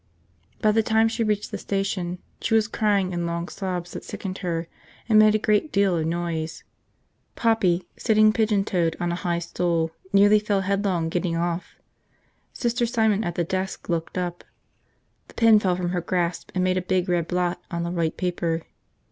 By the time she reached the station she was crying in long sobs that sickened her and made a great deal of noise. Poppy, sitting pigeon toed on a high stool, nearly fell headlong getting off. Sister Simon, at the desk, looked up. The pen fell from her grasp and made a big red blot on the white paper.